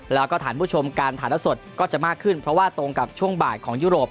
แล้วก็ฐานผู้ชมการถ่ายละสดก็จะมากขึ้นเพราะว่าตรงกับช่วงบ่ายของยุโรป